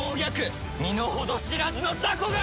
身の程知らずの雑魚が！